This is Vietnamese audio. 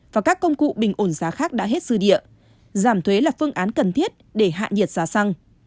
và các công cụ bình ổn giá khác đã hết dư địa giảm thuế là phương án cần thiết để hạ nhiệt giá xăng